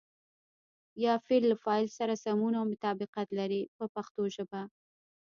یا فعل له فاعل سره سمون او مطابقت لري په پښتو ژبه.